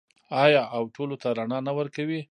آیا او ټولو ته رڼا نه ورکوي؟